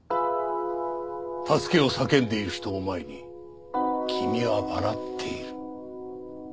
助けを叫んでいる人を前に君は笑っている。